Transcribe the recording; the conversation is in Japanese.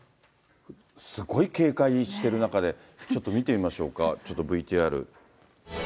すごい警戒してる中で、ちょっと見てみましょうか、ちょっとＶＴＲ。